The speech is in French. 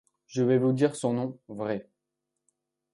Je vais vous dire son nom vrai.